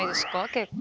結構。